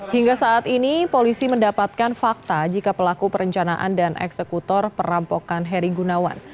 hingga saat ini polisi mendapatkan fakta jika pelaku perencanaan dan eksekutor perampokan heri gunawan